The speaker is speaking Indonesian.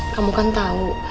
kamu kan tau